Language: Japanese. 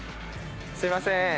すみません。